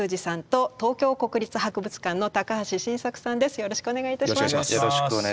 よろしくお願いします。